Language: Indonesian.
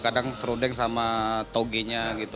kadang serudeng sama toge nya gitu